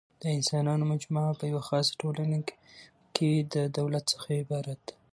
د انسانانو مجموعه په یوه خاصه ټولنه کښي د دولت څخه عبارت ده.